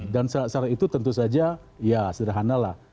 dan syarat syarat itu tentu saja ya sederhanalah